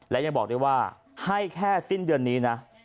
และยังบอกได้ว่าให้แค่สิ้นเดือนนี้นะ